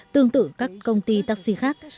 tương tự các công ty taxi khác